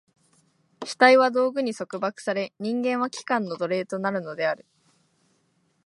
主体は道具に束縛され、人間は器官の奴隷となるのである。